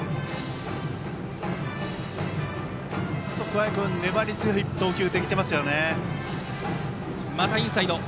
桑江君、粘り強い投球ができていますね。